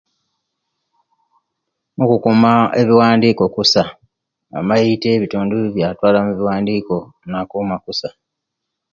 Okukuma ebiwandiko kusa amaite ebitundu ebiyatwalamu ebiwandiko nabakuma kusa